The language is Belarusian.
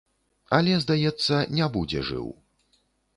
Але здаецца, не будзе жыў.